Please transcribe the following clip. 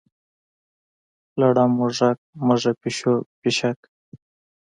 لړم، موږک، مږه، پیشو، پیښلیک.